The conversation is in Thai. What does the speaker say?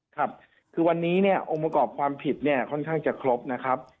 ครับคือวันนี้เนี่ยองค์ประกอบความผิดเนี่ยค่อนข้างจะครบนะครับ